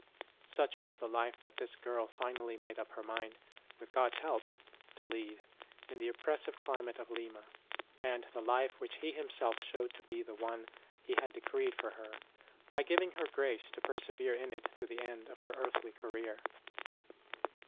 Such was the life that this girl finally made up her mind, with God s help, to lead, in the oppres sive climate of Lima; and the life which He Him self showed to be the one He had decreed for her, by giving her grace to persevere in it to the end of her earthly career.